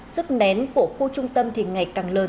sức nén của khu trung tâm thì ngày càng lớn